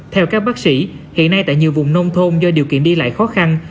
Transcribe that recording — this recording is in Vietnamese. theo các bác sĩ hiện nay tại nhiều vùng nông thôn do điều kiện đi lại khó khăn